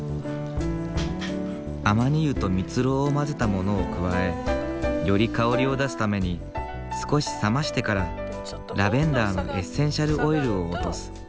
亜麻仁油と蜜蝋を混ぜたものを加えより香りを出すために少し冷ましてからラベンダーのエッセンシャルオイルを落とす。